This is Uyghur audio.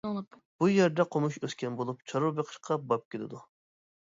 بۇ يەردە قومۇش ئۆسكەن بولۇپ، چارۋا بېقىشقا باب كېلىدۇ.